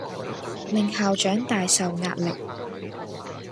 令校長大受壓力